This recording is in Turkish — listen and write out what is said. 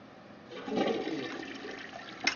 Çocuk iyi.